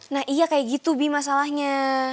nah iya kayak gitu bi masalahnya